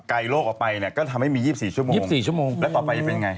ไกลโรคออกไปเนี่ยก็ทำให้มี๒๔ชั่วโมงแล้วต่อไปเป็นยังไง